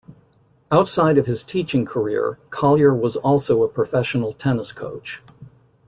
Outside of his teaching career, Collier was also a professional tennis coach.